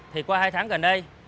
thì qua hai tháng gần đây